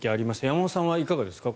山本さんはいかがですか？